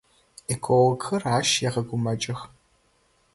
Экологхэр ащ егъэгумэкӏых.